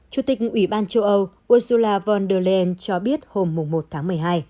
chủ tịch ủy ban châu âu ursula von der leyen cho biết hôm một tháng một mươi hai